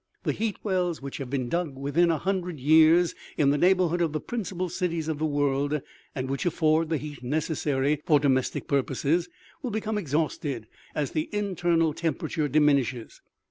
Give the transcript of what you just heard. The heat wells which have been dug within a hundred years, in the neighborhood of the principal cities of the world, and which afford the heat necessary for domestic purposes, will become exhausted as the internal temperature diminishes.